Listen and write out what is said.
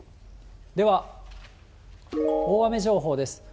では大雨情報です。